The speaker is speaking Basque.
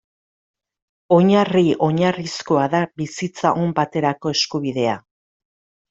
Oinarri oinarrizkoa da bizitza on baterako eskubidea.